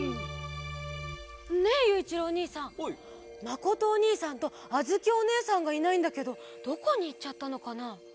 まことおにいさんとあづきおねえさんがいないんだけどどこにいっちゃったのかな？